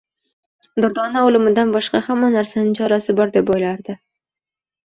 Durdona o`limdan boshqa hamma narsaning chorasi bor, deb o`ylardi